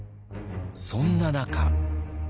そんな中。